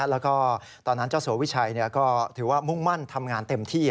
แล้วก็ตอนนั้นเจ้าสัววิชัยก็ถือว่ามุ่งมั่นทำงานเต็มที่